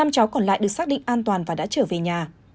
năm cháu còn lại được xác định an toàn và đã trở về nhà